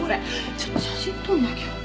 ちょっと写真撮んなきゃ。